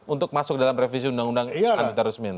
untuk masuk dalam revisi undang undang antiterorisme ini